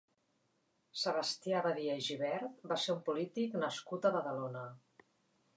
Sebastià Badia i Gibert va ser un polític nascut a Badalona.